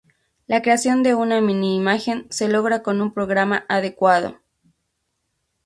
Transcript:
La creación de una mini-imagen se logra con un programa adecuado.